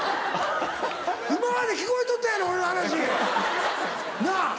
今まで聞こえとったやろ俺の話なぁ。